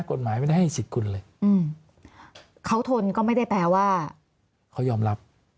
กฎหมายไม่ได้ให้สิทธิ์คุณเลยอืมเขาทนก็ไม่ได้แปลว่าเขายอมรับ